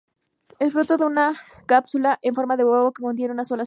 Es fruto es una cápsula en forma de huevo que contienen una sola semilla.